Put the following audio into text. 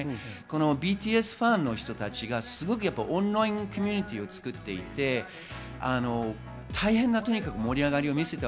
ＢＴＳファンの人たちがオンラインコミュニティーを作っていて大変な盛り上がりを見せました。